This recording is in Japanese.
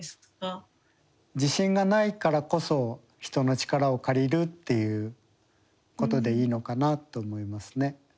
自信がないからこそ人の力を借りるっていうことでいいのかなと思いますね。